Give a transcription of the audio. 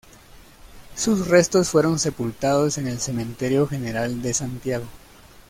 Sus restos fueron sepultados en el Cementerio General de Santiago.